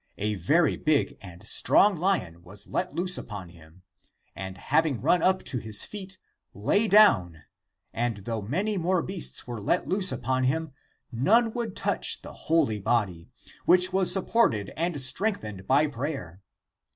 A very big and strong lion was let loose upon him, and having run up to his feet, lay down, and though many more beasts were let loose upon him, none would touch the holy body, which was supported and strengthened by prayer.